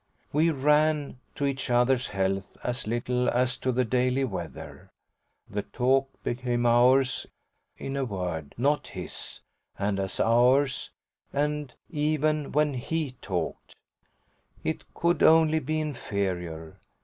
We "ran" to each other's health as little as to the daily weather. The talk became ours, in a word not his; and as ours, even when HE talked, it could only be inferior.